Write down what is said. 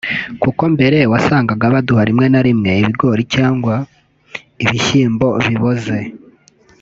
Kuko mbere wasanaga baduha rimwe na rimwe ibigori cyanwa ibishyimbo biboze